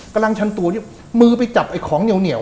กำลังชันตัวมือไปจับไอ้ของเหนียว